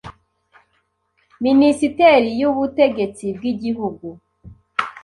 Minisiteri y'ubutegetsi bw'igihugu